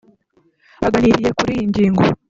baganiriye kuri iyi ngingo